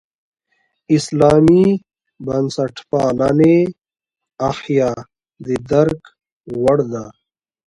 اسلامي بنسټپالنې احیا د درک وړ ده.